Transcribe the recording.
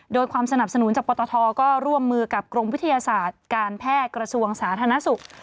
โดยความสนับสนุนจากปตทก็ร่วมมือกับกรมวิทยาศาสตร์การแพทย์กระทรวงสาธารณสุข